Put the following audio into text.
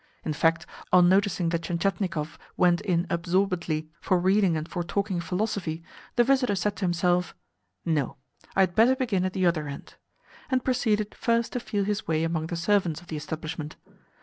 In fact, on noticing that Tientietnikov went in absorbedly for reading and for talking philosophy, the visitor said to himself, "No I had better begin at the other end," and proceeded first to feel his way among the servants of the establishment.